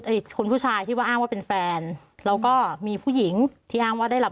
คนผู้ชายที่ว่าอ้างว่าเป็นแฟนแล้วก็มีผู้หญิงที่อ้างว่าได้รับ